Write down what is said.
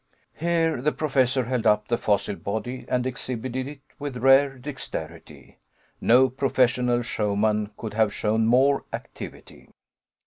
Here the Professor held up the fossil body, and exhibited it with rare dexterity. No professional showman could have shown more activity.